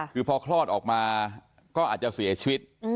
คือพอคลอดออกมาก็อาจจะเสียชีวิต